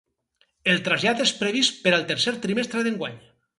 El trasllat és previst per al tercer trimestre d’enguany.